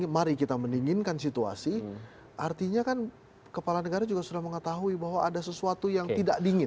mari kita mendinginkan situasi artinya kan kepala negara juga sudah mengetahui bahwa ada sesuatu yang tidak dingin